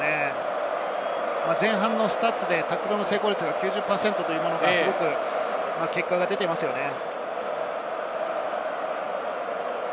前半のスタッツでタックルの成功率が９０％というのが、すごく結果が出ていますよね。